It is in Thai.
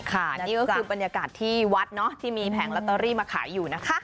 ค่ะนี่ก็คือบรรยากาศที่วัดเนอะที่มีแผงลอตเตอรี่มาขายอยู่นะคะ